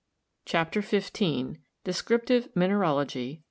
CHAPTER XV DESCRIPTIVE MINERALOGY.